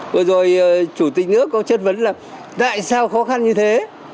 vừa rồi chủ tịch nước có chất vấn là tại sao khó khăn như thế